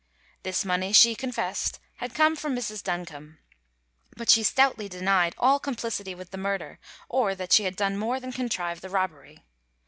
This money she confessed had come from Mrs. Duncombe; but she stoutly denied all complicity with the murder, or that she had done more than contrive the robbery.